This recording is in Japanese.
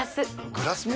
グラスも？